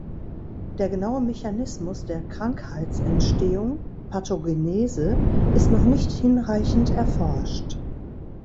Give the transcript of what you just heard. Der genaue Mechanismus der Krankheitsentstehung (Pathogenese) ist noch nicht hinreichend erforscht.